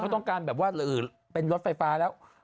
ต้องการแบบว่าเป็นรถไฟฟ้าแล้ว